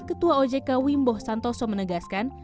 ketua ojk wimbo santoso menegaskan